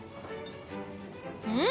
うん！